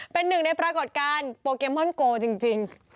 เป็นหนึ่งในปรากฏการณ์โปเกมอนโกจริง